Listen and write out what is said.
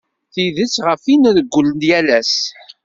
Tidet ɣef i nreggel yal ass.